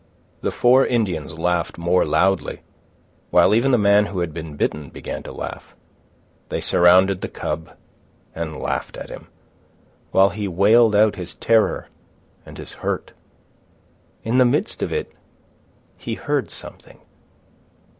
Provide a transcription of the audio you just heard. The four Indians laughed more loudly, while even the man who had been bitten began to laugh. They surrounded the cub and laughed at him, while he wailed out his terror and his hurt. In the midst of it, he heard something.